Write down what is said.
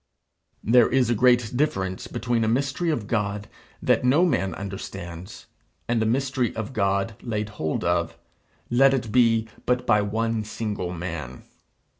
There is a great difference between a mystery of God that no man understands, and a mystery of God laid hold of, let it be but by one single man.